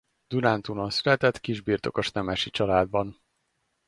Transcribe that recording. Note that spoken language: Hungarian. Dunántúlon született kisbirtokos nemesi családban.